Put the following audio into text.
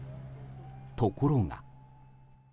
ところが。